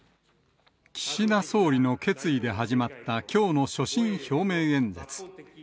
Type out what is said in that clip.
岸田総理の決意で始まったきょうの所信表明演説。